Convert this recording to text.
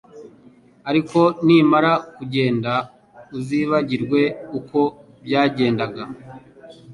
Ariko nimara kugenda uzibagirwa, uko byagendaga